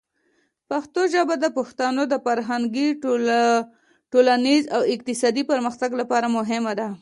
پښتو ژبه د پښتنو د فرهنګي، ټولنیز او اقتصادي پرمختګ لپاره مهمه ده.